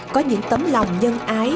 có những tấm lòng nhân ái